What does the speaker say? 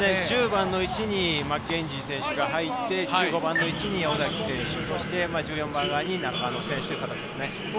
１０番の位置にマッケンジー選手が入って、１５番の位置に尾崎、１４番に中野選手ですね。